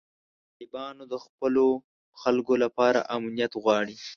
طالبان د خپلو خلکو لپاره امنیت غواړي.